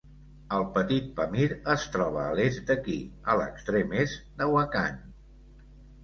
El Petit Pamir es troba a l'est d'aquí, a l'extrem est de Wakhan.